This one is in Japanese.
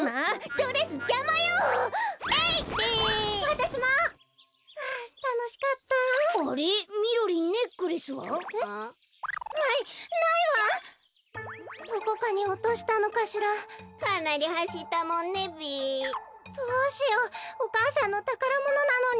どうしようお母さんのたからものなのに。